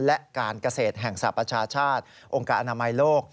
และการเกษตรแห่งสหประชาชาติองค์การอนามัยโลก